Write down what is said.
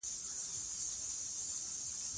ښتې د افغانستان طبعي ثروت دی.